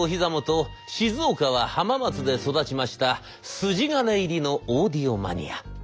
静岡は浜松で育ちました筋金入りのオーディオマニア。